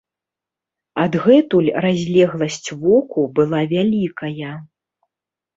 Адгэтуль разлегласць воку была вялікая.